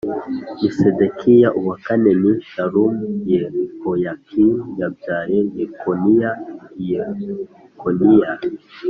ni Sedekiya uwa kane ni Shalumu Yehoyakimu yabyaye Yekoniya i Yekoniya